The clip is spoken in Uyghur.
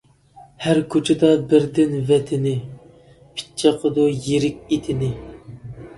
ھەر كوچىدا بىردىن ۋەتىنى، پىت چاقىدۇ يىرىك ئېتىنى.